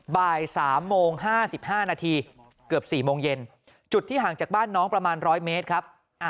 บ่าย๓โมง๕๕นาทีเกือบ๔โมงเย็นจุดที่ห่างจากบ้านน้องประมาณ๑๐๐เมตรครับ